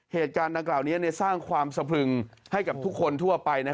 เหตุการณ์ดังกล่าวนี้สร้างความสะพรึงให้กับทุกคนทั่วไป